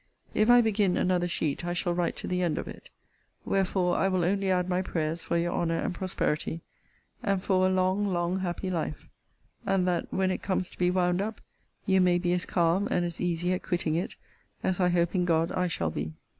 If I begin another sheet, I shall write to the end of it: wherefore I will only add my prayers for your honour and prosperity, and for a long, long, happy life; and that, when it comes to be wound up, you may be as calm and as easy at quitting it as I hope in God I shall be.